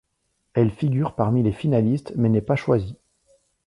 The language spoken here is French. Elle figure parmi les finalistes mais n'est pas choisie.